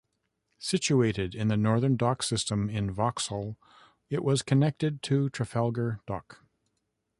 Situated in the northern dock system in Vauxhall, it was connected to Trafalgar Dock.